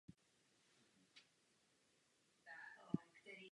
Dovolte mi poukázat i na další skutečnosti.